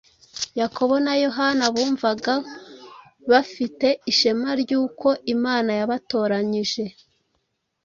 Yakobo na Yohana, bumvaga bafite ishema ry’uko Imana yabatoranyije